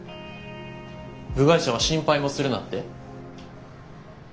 部外者は心配もするなって？